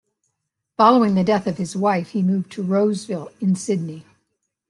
Following the death of his wife he moved to Roseville in Sydney.